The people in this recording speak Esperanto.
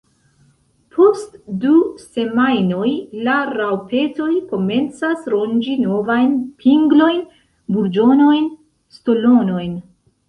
Post du semajnoj la raŭpetoj komencas ronĝi novajn pinglojn, burĝonojn, stolonojn.